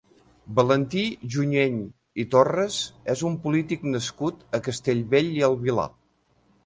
Valentí Junyent i Torras és un polític nascut a Castellbell i el Vilar.